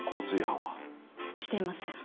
していません。